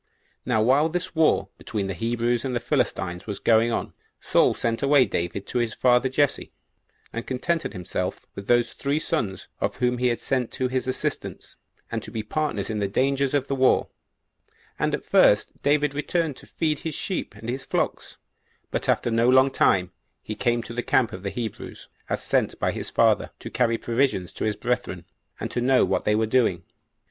2. Now while this war between the Hebrews and the Philistines was going on, Saul sent away David to his father Jesse, and contented himself with those three sons of his whom he had sent to his assistance, and to be partners in the dangers of the war: and at first David returned to feed his sheep and his flocks; but after no long time he came to the camp of the Hebrews, as sent by his father, to carry provisions to his brethren, and to know what they were doing.